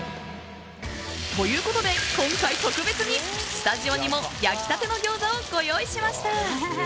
ということで今回、特別にスタジオにも焼きたての餃子をご用意しました！